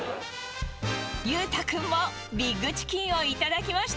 裕太君も、ビッグチキンをいただきました。